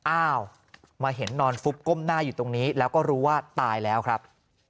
อ้าวมาเห็นนอนฟุบก้มหน้าอยู่ตรงนี้แล้วก็รู้ว่าตายแล้วครับ